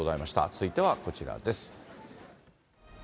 続いてはこちらです。